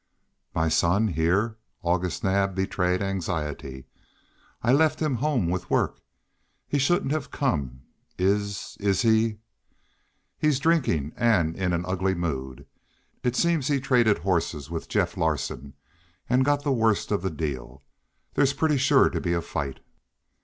"My son here!" August Naab betrayed anxiety. "I left him home with work. He shouldn't have come. Is is he " "He's drinking and in an ugly mood. It seems he traded horses with Jeff Larsen, and got the worst of the deal. There's pretty sure to be a fight."